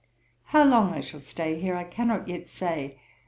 'How long I shall stay here I cannot yet say.